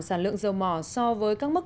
sản lượng dầu mỏ so với các mức